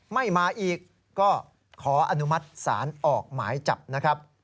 ไม่มาอีกก็ขออนุมัติศาลออกหมายจับนะครับ